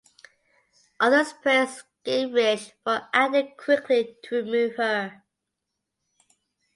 Others praised Gingrich for acting quickly to remove her.